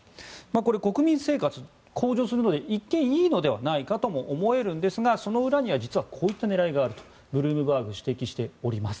これは国民生活が向上するので一見いいのではないかとも思えるんですがその裏にはこういった狙いがあるとブルームバーグは指摘しております。